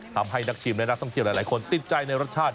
ทำให้นักชิมและนักท่องเที่ยวหลายคนติดใจในรสชาติ